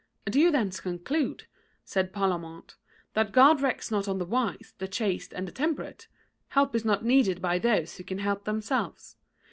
"Do you thence conclude," said Pariamente, "that God recks not of the wise, the chaste and the temperate? Help is not needed by those who can help themselves.